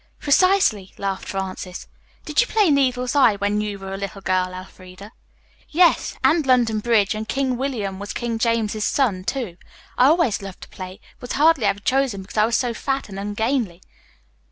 "Precisely," laughed Frances. "Did you play 'Needle's eye' when you were a little girl, Elfreda?" "Yes, and 'London Bridge' and 'King William was King James's son,' too. I always loved to play, but was hardly ever chosen because I was so fat and ungainly.